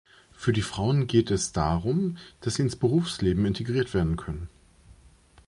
Für die Frauen geht es darum, dass sie ins Berufsleben integriert werden können.